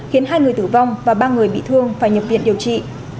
khiến hai người tử vong và ba người bị thương phải nhập viện điều trị